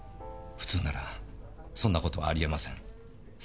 普通ならそんなことはあり得ません。